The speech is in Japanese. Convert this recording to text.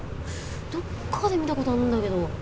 どっかで見た事あるんだけど。